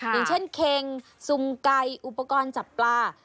อย่างเช่นเค็งซุ่มไก่อุปกรณ์จับปลา